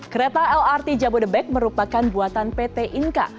kereta lrt jabodebek merupakan buatan pt inka